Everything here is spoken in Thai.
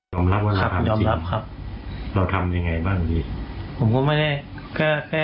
ยอมรับว่าเราทำจริงเราทำยังไงบ้างดี